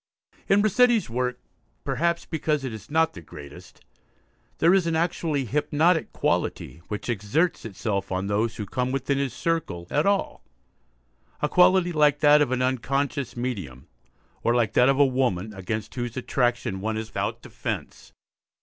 In Rossetti's work, perhaps because it is not the greatest, there is an actually hypnotic quality which exerts itself on those who come within his circle at all; a quality like that of an unconscious medium, or like that of a woman against whose attraction one is without defence.